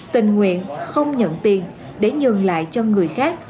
tình nguyện không nhận tiền để nhường lại cho người khác